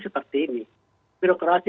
seperti ini birokrasi